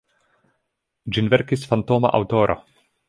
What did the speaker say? Ĝin verkis fantoma aŭtoro.